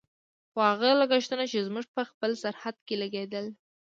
خو هغه لګښتونه چې زموږ په خپل سرحد کې لګېدل.